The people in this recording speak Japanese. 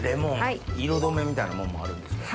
色止めみたいなもんもあるんですか？